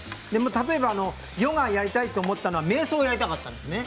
例えばヨガをやりたいと思ったのはめい想をやりたかったんですね。